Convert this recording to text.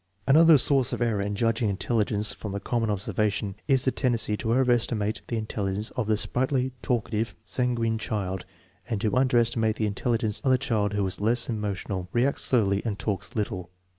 Another .source of error in judging intelligence from com* inon observation is the tendency to overestimate the in telligence of the sprightly, talkative, sanguine child, and to underestimate the intelligence of the child who is less emotional, reacts slowly, and talks little.